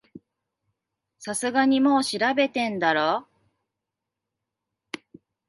さすがにもう調べてんだろ